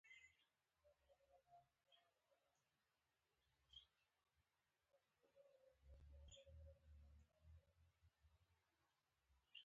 يو پر غومبسه ولګېد، روان شو، خو بېرته راوګرځېد، غومبسه يې تر پښې ونيوله.